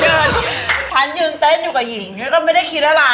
ฉันยืนเต้นอยู่กับหญิงฉันก็ไม่ได้คิดอะไร